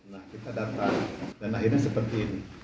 nah kita datang dan akhirnya seperti ini